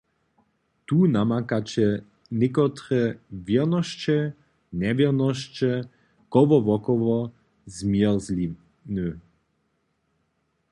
Tu namakaće někotre wěrnosće njewěrnosće kołowokoło zmjerzliny.